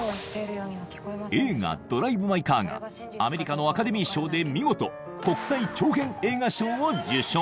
映画「ドライブ・マイ・カー」がアメリカのアカデミー賞で見事国際長編映画賞を受賞。